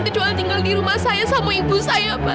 kecuali tinggal di rumah saya sama ibu saya pak